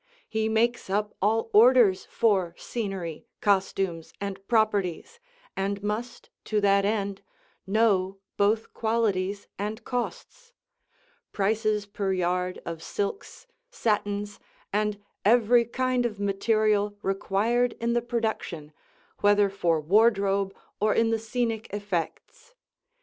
He makes up all orders for scenery, costumes and properties, and must, to that end, know both qualities and costs; prices per yard of silks, satins, and every kind of material required in the production, whether for wardrobe or in the scenic effects.